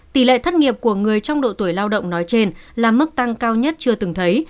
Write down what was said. tỷ lệ thất nghiệp của người trong độ tuổi lao động nói trên là mức tăng cao nhất chưa từng thấy